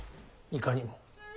いかにも。